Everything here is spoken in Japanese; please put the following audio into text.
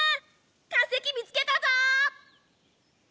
化石見つけたぞ！